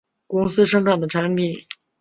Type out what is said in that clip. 公司生产的产品